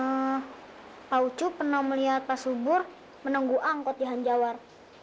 pak ucu pernah melihat pak subur menunggu angkot di hanjawar